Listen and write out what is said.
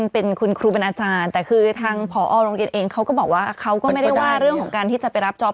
เป็นคุณครูเป็นอาจารย์แต่ภอร์ร้องเกียรติเองก็บอกว่าเสนื่อไม่ได้การรับจอบ